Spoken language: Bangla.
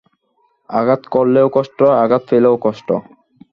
আঘাত করলেও কষ্ট, আঘাত পেলেও কষ্ট।